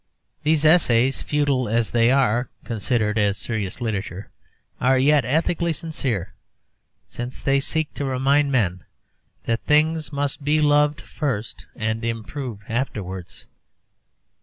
These essays, futile as they are considered as serious literature, are yet ethically sincere, since they seek to remind men that things must be loved first and improved afterwards.